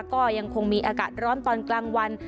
ก็ยังคงมีอากาศร้อนตอนกลางวัน